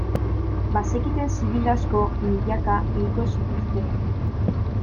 Bazekiten zibil asko, milaka, hilko zituztela.